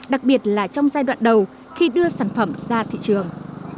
đặc biệt là trong giai đoạn đầu khi đưa sản phẩm ra thị trường